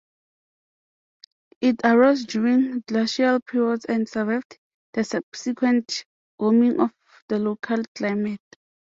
It arose during glacial periods and survived the subsequent warming of the local climate.